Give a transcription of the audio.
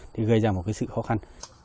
thì gây ra một cái sự khó khăn